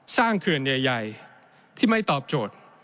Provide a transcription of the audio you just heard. สร้างเคือนใหญ่ที่ไม่ตอบโจทย์